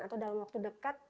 atau dalam waktu dekat